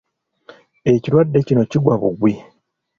Ekirwadde kino kigwa bugwi.